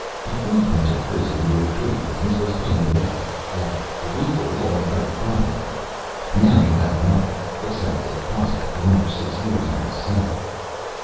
"Before you went to prison your trading business was paying well all illegal all very profitable. Now you have nothing, except the prospect of another six years in a cell."